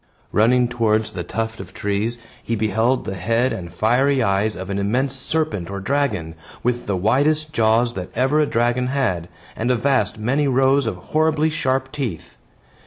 Running towards the tuft of trees, he beheld the head and fiery eyes of an immense serpent or dragon, with the widest jaws that ever a dragon had, and a vast many rows of horribly sharp teeth.